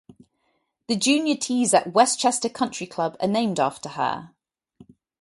The junior tees at Westchester Country Club are named after her.